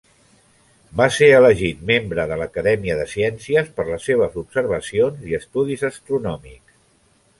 Va ser elegit membre de l'Acadèmia de Ciències per les seves observacions i estudis astronòmics.